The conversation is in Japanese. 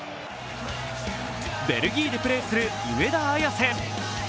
ベルギーでプレーする上田綺世。